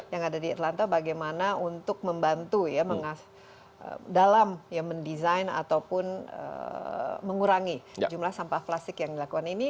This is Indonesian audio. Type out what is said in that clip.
yang ada di atlanta bagaimana untuk membantu ya dalam mendesain ataupun mengurangi jumlah sampah plastik yang dilakukan ini